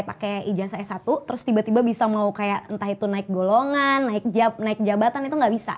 kita apply pake ijaz s satu terus tiba tiba bisa mau kayak entah itu naik golongan naik jabatan itu gak bisa